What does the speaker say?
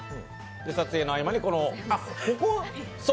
撮影の合間にこの。